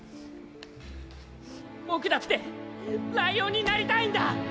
僕だってライオンになりたいんだ！